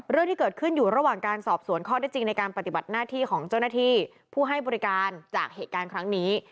เรื่องที่เกิดขึ้นอยู่ระหว่างการสอบสวนข้อได้จริงในการปฏิบัติหน้าที่ของเจ้าหน้าที่ผู้ให้บริการจากเหตุการณ์ครั้งนี้